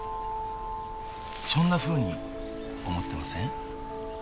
そんなふうに思ってません？